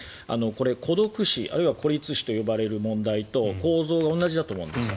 孤独死あるいは孤立死と呼ばれる問題と構造は同じだと思うんです。